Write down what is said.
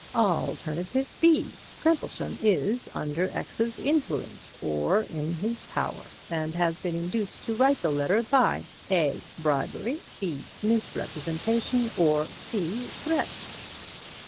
Alternative B: Crimplesham is under X's influence or in his power, and has been induced to write the letter by (a) bribery, (b) misrepresentation or (c) threats.